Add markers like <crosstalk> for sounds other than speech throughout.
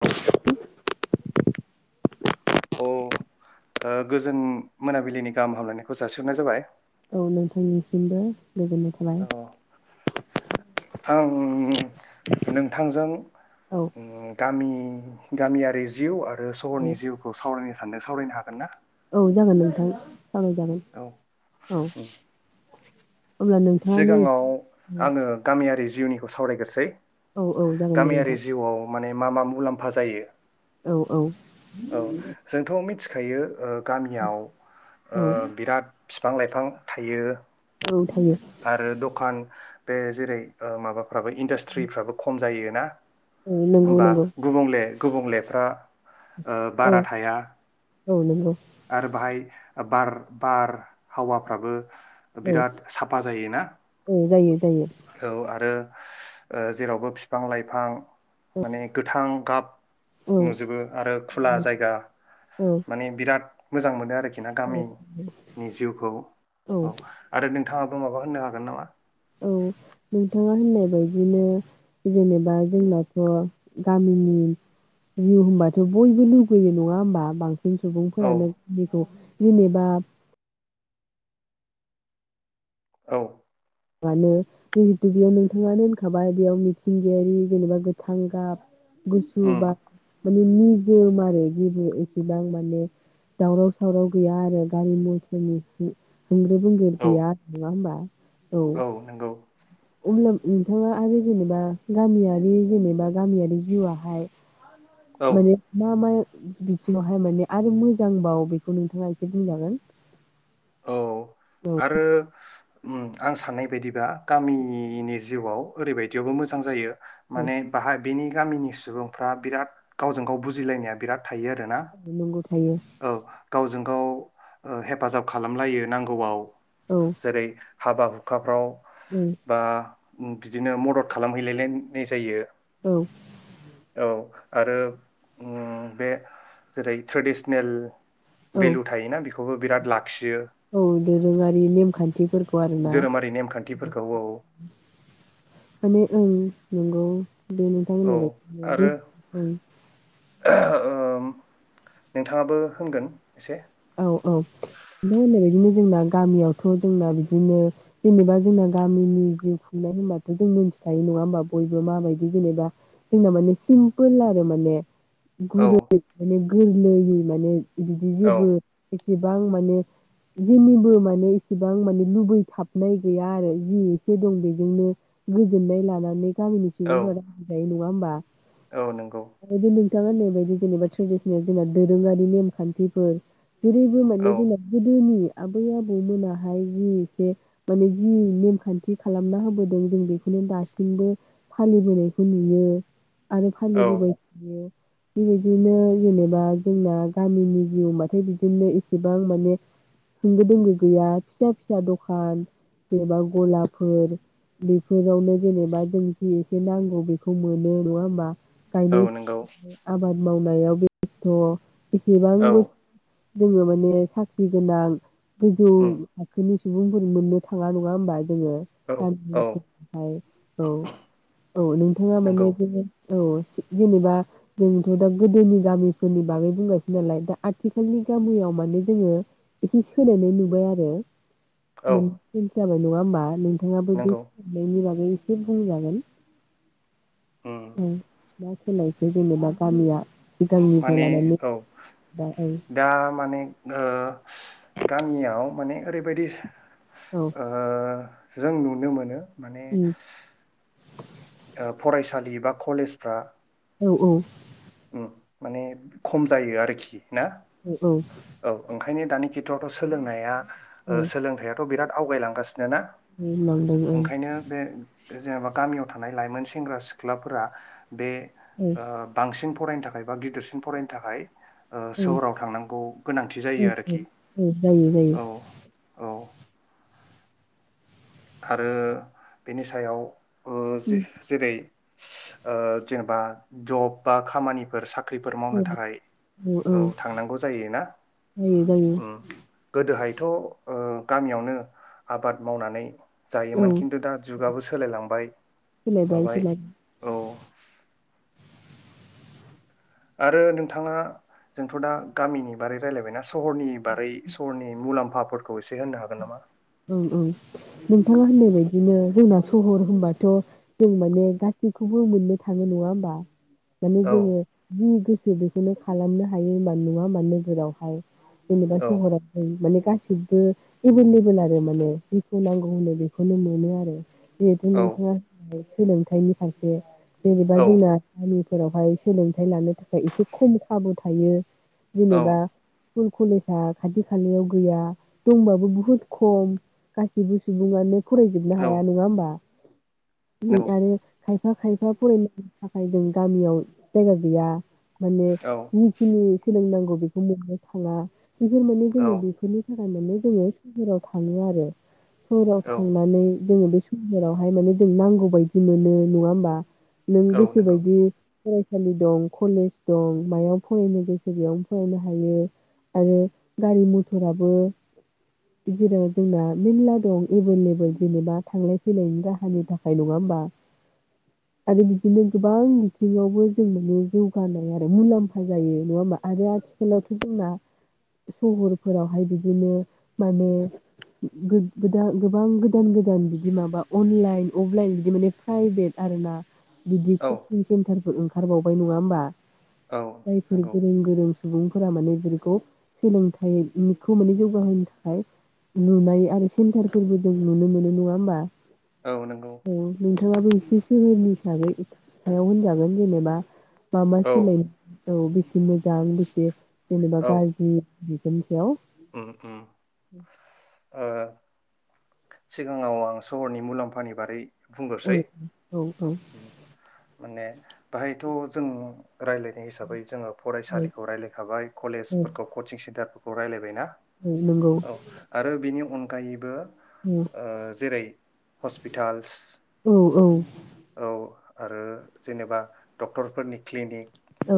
औ अ अ, ओ गोजोन मोनाबिलिनि गाहाम हामलायनायखौ जासिहरनाय जाबाय। औ नोंथांनिसिमबो। गोजोननाय थाबाय। औ आं नोंथांजों औ उम गामि गामियारि जिउ आ रो सहरनि जिउखौ सावरायनो सानो सावरायनो हागोन ना? औ जागोन नोंथां। सावराय जागोन औ औ। अब्ला नोंथाङानो सिगाङाव आङो गामियारि जिउनिखौ सावरायग्रोसै। औ औ जागोन दे गामियारि नोंथां। जिउआव माने मा मा मुलाम्फा जायो? औ औ। औ जोंथ' मिथि खायो ओ गामियाव ओ औ बिराद बिफां लाइफां थायो। औ थायो आरो दखान बे जेरै ओ माबा फाबो इनडास्ट्रिफ्राबो खम जायोना। औ नंगौ होमबा नंगौ गुबुंले गुबुंलेफ्रा ओ औ बारा थाया औ नंगौ आरो बाहाय बार बार हावाफ्राबो औ बिराद साब ना औ जायो जायो। ओ‌ जेरावबो बिफां लाइफां औ माने गोथां गाब <inaudible> औ नुजोबो आरो खुला जायगा औ माने बिराद मोजां मोनो आरोखि ना औ गामिनि जिउखौ औ आरो नों नोंथाङाबो माबा होननो हागोन नामा औ नोंथाङा होननाय बायदिनो जेनेबा जोंनाथ' गामिनि जिउ होनबाथ' बयबो लुगैयो नङा होमबा बांस सिन औ सुबुंफोरानो बिदिखौ। जेनिबा औ। मानो जिहेथु बेयाव नोंथाङानो होनखाबाय बेयाव मिथिंगायारि जेनेबा गोथां गाब गुसु उम बा माने निजोम आरो जेबो एसेबां माने दावराव सावराव गैया आरो गारि मथरनि बोंग्रो बोंग्रो औ गैया आरो नङा होनोमबा। औ। अब्ला नोंथाङा आरो जेनेबा गामियारि जेनेबा गामियारि जिउआहाय। औ माने मा मा? बिथिनावहाय माने आरो मोजांबावो बेखौ नोंथाङा एसे बुंजागोन। औ। आरो आं साननाय बायदिबा गामिनि जिउआव ओरैबायदियावबो मोजां जायो। औ माने बाहाय बेनि गामिनि सुबुंफ्रा बिराद गावजों गाव बुजिलायनाया बिराद थायो आरोना। नंगौ थायो औ। गावजों गाव ओ हेफाजाब खालामलायो नांगौआव। औ जेरै हाबा हुखाफ्राव बा। बिदिनो मदद खालामहैलाय लायनाय जायो। औ। औ आरो ओम बे जेरै ट्रेडिसनेल औ बेलु थायो ना बे। खौबो बिराद लाख। औ दोरोङारि नेमखान्थिफोरखौ आरोना धोरोमारि नेमखान्थिफोरखौ औ माने ओं नोंगौ। दे औ नोंथांमोनालाय आरो <inaudible> ओम नोंथाङाबो होनगोन। एसे औ औ। जोंना गामियावथ' जोंना बिदिनो जेनेबा जोंना गामिनि जिउ खुंनाय होनबाथ' जों मोनथिखायो नङा होमबा बयबो माबायदि जेनेबा जोंना माने सिमपोल आरो माने <unintelligible> औ गोरलैयै माने बिदि औ जेबो एसेबां माने जेनिबो माने एसेबां माने लुबैथाबनाय गैया आरो जि एसे दं बेजोंनो गोजोननाय लानानै गामिनि औ सुबुंफोरा नङा होमबा औ नंगौ थाङा होननायबायदि जेनेबा ट्रेडिसिनेल जोंना दोरोङारि नेमखान्थिफोर जेरैबो माने औ जोंना गोदोनि आबै आबौमोनाहाय जि एसे माने जि नेमखान्थि खालामना होबोदों जों बेखौनो दासिमबो फालिबोनायखौ नुयो। आरो औ फालिबोबाय थायो। बेबायदिनो जेनेबा जोंना गामिनि जिउ होनबाथाय बि दिनो एसेबां माने होंगो दोंगो गैया फिसा फिसा दखान जेनेबा गलाफोर बेफोरावनो जेनेबा जों जि एसे नांगौ बेखौ मोनो नङा होमबा। औ गायनाय नंगौ फुनाय आबाद माव नायाव बेसथ' औ बेसेबांबो जोङो माने साख्रि गोनां गोजौ उम थाखोनि सुबुंफोर मोननो थाङा नङा होमबा जोङो औ औ फाय औ औ नों थाङा नंगौ माने बे औ जे जेनेबा जोंथ' दा गोदोनि गामिफोरनि बागै बुंगासै नालाय दा आथिखालनि गामियाव माने जोङो एसे सोलायनाय नुबाय आरो औ मोनसे जाबाय नङा होमबा नों थाङाबो बे नंगौ बेनि बागै बे एसे बुंजागोन उम ओ मा सोलायखो जेनेबा गामिया सिगांनिफ्राय माने लानानै औ दा औ दा माने ओ गामियाव माने ओरैबायदि औ ओ जों नुनो मोनो माने उम <inaudible> ओ फरायसालि बा कलेजफ्रा औ औ ओ माने खम जायो आरोखि ना औ औ ओम ओंखायनो दानि खेथ्रआवथ' सोलोंनाया औ सोलोंथाइयाथ' बिराद आवगायलांगासिनो नो ना होनलांदों ओं ओंखायनो बे जेनेबा गामियाव थानाय लाइमोन सेंग्रा सिख्लाफोरा बे औ ओ बांसिन फरायनो थाखाय बा गिदिरसिन फरायनो थाखाय ओ औ सोहोराव थांनांगौ गोनांथि औ जायो आरोखि औ जायो जायो औ औ आरो बेनि सायाव ओ जे जेरै ओ जेनेबा जब बा खामानिफोर साख्रि साख्रिफोर मावनो औ थाखाय औ थांनांगौ जायोना जायो जायो उम गोदोहाय बेथ ओ गामियावनो आबाद मावनानै जायोमोन औ खिन्थु दा जुगाबो सोलायलांबाय सोलायबाय माबाय सोलायबाय औ आरो नोंथाङा जोंथ दा गामिनि बारै रायजलायबायना सहरनि बारै सहरनि मुलाम्फा। साफोरखौ एसे होनो हागोन नामा। औ-औ। नोंथाङा होननाय बायदिनो। जोंना सहर होनबाथ जों माने गासैखौबो मोननो थांङो नंङा होमबा। माने औ बुंङो जि गो। जे बेखौनो खालामनो हायोन नंङा मानो नोगोरावहाय। जेनेबा औ सहर थायो माने। गासिबो एभेल लेबोेल आरो। ओ माने जिखौ नांगौ होनो बेखौनो मोनो आरो। बेथ औ नोंथाङा होन। सोलोंथाइनि फारसे। जेनेबा औ जोंना आसाम। फोरावहाय सोलोंथाइ लानो। थाखाय एसे खम खाबु। थायो। औ जेनेबा। स्कुल कलेजा खाथि खालायाव गैया दंबाबो बुहुद। खम गासिबो सुंबुङानो। फरायजोबनो औ हाया नंङा होनोमबा। बि नौ आरो। खायफा खायफा फरायनो थाखाय जों गामियाव जायगा गैया। माने औ जिखिनि सोलोंनांगौ बेखौ मोननो थाङा। बेफोर माने औ जोङो बेफोरनि थाखाय फाननानै जोङो सहराव थाङो आरो। सहराव औ थांनानै जोङो बे सहोरावहाय माने जों नांगौ बायदि मोनो नङा होमबा? नों औ गोसो नंगौ बायदि फरायसालि दं कलेज दं मायाव फरायनो गोसो बेयावनो फरायनो हायो आरो गारि मथराबो जेराव जोंना मेरला दं एभेलेबोेल जेनेबा थांलाय फैलायनि राहानि थाखाय नङा होमबा आरो बिदिनो गोबां बिथिङावबो जों माने जौगानाय आरो मुलाम्फा जायो नङा होमा आरो आथिखालावथ' जोंना सहरफोरावहाय बिदिनो माने गो गोबां गोदान-गोदान बिदि माबा अनलाइन अफलाइन बिदि माने प्राइभेट आरो ना। बिदि औ कचिं सेन्टारफोर ओं खारबावबाय नङा होमबा? औ जायफोर नंगौ गोरों गोरों सुबुंफोरा माने बेखौ सोलोंथाइखौ माने जौगाहोनो थाखाय नुनाय आरो सेन्टारफोरबो जों नुनो मोनो नङा होमबा? औ नंगौ। नोंथाङाबो एसे सोहोरनि सागै सायाव होनजागोन जेनेबा मा मा औ सोलाय औ बेसे मोजां बेसे जेनेबा औ गारजि बिफोरनि सायाव उम उम औ ओ सिगाङाव आं सहरनि मुलाम्फानि बारै औ बुंगोरसै औ औ माने बाहाय थ' जों रायलायनाय हिसाबै जोङो फरायसालिखौ रायलायखाबाय औ कलेजफोरखौ कचिं सेन्टारफोर खौ रायलाय बेना औ आरो बिनि अन गायैबो औ ओ जेरै हस्पिटालस औ औ औ आरो जेनेबा डक्टरफोरनि क्लिनिक औ।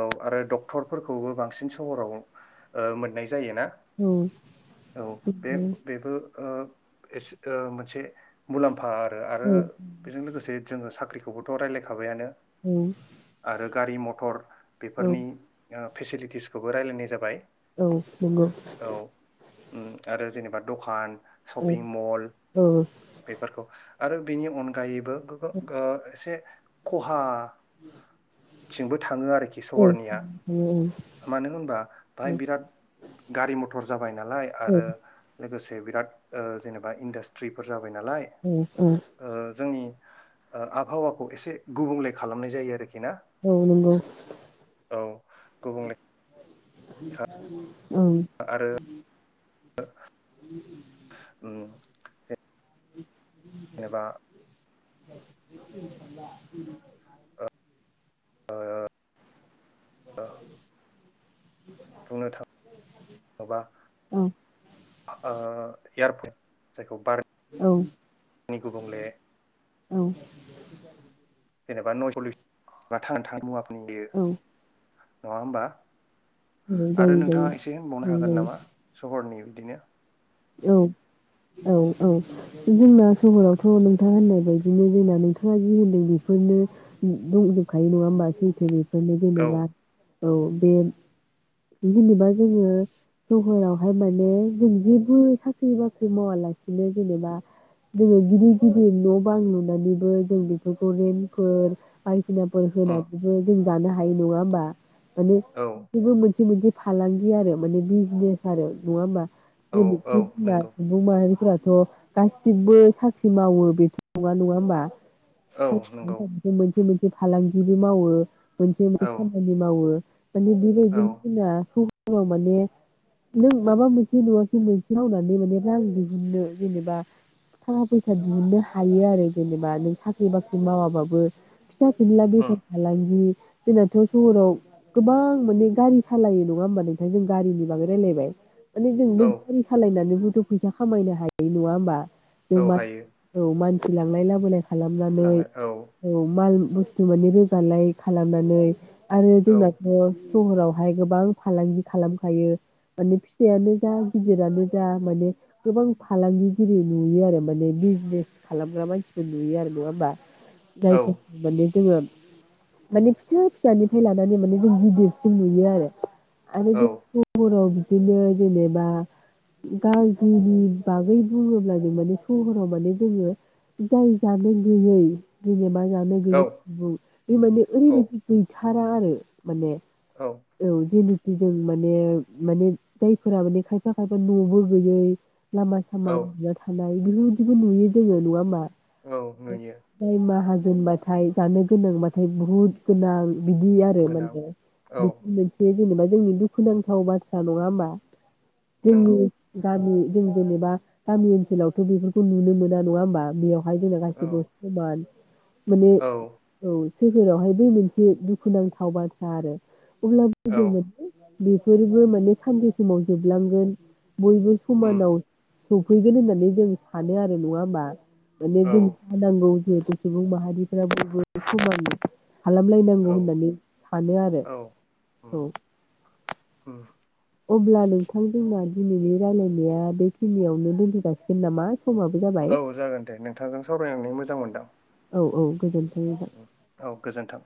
औ आरो डक्टरफोरखौबो बांसिन सहराव मोननाय जायोना औ नंगौ औ बे बेबो एस मोनसे मुलाम्फा फा आरो औ आरो बेजों लोगोसे जोङो साख्रिखौ खौबोथ' रायलायखांबायानो औ। गारि मथर औ बेफोरनि फेसिलिटिसखौ रायलायनाय जाबाय औ नोंंगौ। औ उम आरो जेनेबा द'खान औ शपिं मल बेफोरखौ आरो बिनि अनगायैबो दा एसे खहा <inaudible> थिंबो थाङो आरोखि सहरनिया मानो होनबा बाहाय बिराद गारि मथर जाबाय बाय नालाय आरो लोगोसे बिराद ओ जेनबा इदासट्रि फोराव जाबाय नालाय ओ जोंनि आबहावाखौ एसे गुबुंले खालामनाय जायो आरोखि ना औ नंगौ। औ गुबुंले <inaudible> आरो उ <inaudible> उम <inaudible> जेनेबा <inaudible> ओ बुंनो थाङोबा ओ एयारपर्ट जायखौ बारनि औ गुबुंले औ जेनेबा नयसपल्लिस बा थांना थानाय मुवा <unintelligible> गयो औ <inaudible> नङा होमबा आरो जायो जायो नोंथाङा एसे होनबावनो औ हागोन नामा सहरनि बिदिनो औ-औ-औ जोंना सहरावथ' नोंथां होननाय बायदिनो जोंना नोंथाङा जि होनदों बेफोरनो दंजोबखायो नङा होमबा सैथो बे <inaudible> बेनो औ जेनेबा औ बे जेनेबा जोङो सहरावहाय माने जों जेबो साख्रि बाख्रि मावालासिनो जेनेबा जोङो गिदिर गिदिर न' बां लुनानैबो जों बेफोरखौ रेन्टफोर बाय <inaudible> उम होनानैबो जों <inaudible> जानो हायि नङा होमबा माने औ बि मोनसे फालांगि आरो माने बिजनेस आरो नङा होमबा औ ज औ नंगौ माह <unintelligible> थ' गासिबो साख्रि मावो बेथ' नङा नङा होमबा औ नंगौ मोन <inaudible> जि मोनसे फालांगिबो मावो। मोनसे मोनसे औ खामानि मावो माने बिबायदि औ <inaudible> माने नों माबा मोनसे नङा <inaudible> मोनसे मावनानै माने रां दिहुननो जेनेबा थाखा फैसा दिहुननो हायो आरो जेनेबा नों साख्रि बाख्रि मावाबाबो फिसा फिनला उम बेफार फालांगि जोंनाथ' सहराव गोबां माने गारि सालायो नङा होमबा नोंथां जों गारिनि बागै रायलायबाय माने जोंबो औ सालायनानैबोथ' फैसा खामायनो हायो नङा ओमबा जों औ म हायो औ मानसि <unintelligible> लांनाय लाबोनाय खालामनानै लांनो औ औ माल बुस्थु माने रोगालाय खालामनानै आरो औ जोंनाथ' सहरावहाय गोबां फालांगि खालामखायो माने फिसायानो जा गिदिरानो जा माने गोबां फालांगिगिरि नुयो आरो माने बिजनेस खालामग्रा मानसिफोर नुयो आरो नङा होमबा <unintelligible> औ जोङो माने फिसा फिसानिफ्राय लानानै माने जों गिदिरसिम नुयो आरो औ आरो <unintelligible> बिदिनो जेनेबा गाज्रिनि बागै बुङोब्ला जों माने सहराव माने जोङो जाय जानो गैयै जेनेबा जानो औ गैयै सुबुं बे औ ओरैबायदि गैथ थारा आरो माने औ जेने जों माने माने जायफोरा माने खाय फा खायफा न'बो गैयै लामा सामा औ उन्दुना थानाय बेफोरबायदिबो नुयो जोङो नङा होमबा? औ नुयो <unintelligible> दोनबाथाय जानो गोनांबाथाय बुहुद गोनां बिदि आरो गोनां माने औ बिबो मोनसे जेनेबा जोंनि दुखुनांथाव बाथ्रा नङा होमबा नंगौ जोंनि गामि जों जेनेबा गामि ओनसोलावथ' बेफोरखौ नुनो मोना नङा होमबा बेयावहाय जोंना औ गासिबो समान। माने औ औ सोहोरावहाय बै मोनसे दुखुनांथाव बाथ्रा आरो अब्लाबो औ <unintelligible> बेफोरबो माने सानसे समाव जोब लांगोन बयबो उम समानाव सफैगोन होननानै जों सानो आरो नङा होमबा? माने औ जों खानांगौ जिहेतु सुबुं माहारिफोराबो बयबो <unintelligible> औ खालामलायनांगौ होननानै सानो आरो। औ औ ओम अब्ला नोंथां जोंना दिनैनि रायलायनाया बेखिनियावनो दोनथ'जासिगोन नामा? समाबो जाबाय औ जागोन दे नोंथांजों सावरायनानै मोजां मोनदां। औ औ गोजोन अ औ गोजोन्थों।